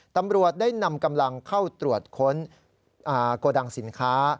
ตำรวจได้นำกำลังเข้าตรวจค้นโกดังสินค้า